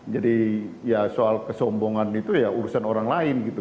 jadi ya soal kesombongan itu ya urusan orang lain gitu